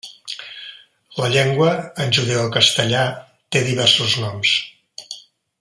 La llengua, en judeocastellà, té diversos noms.